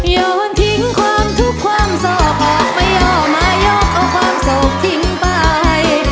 ยอดทิ้งความทุกความสอบออกไปยอดมายกเอาความสอบทิ้งไป